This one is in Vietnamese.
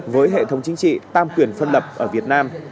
với hệ thống chính trị tam quyền phân lập ở việt nam